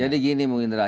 jadi gini mung indra